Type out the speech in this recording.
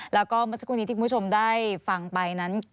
แล้วก็เมื่อสักครู่นี้ที่คุณผู้ชมได้ฟังไปนั้น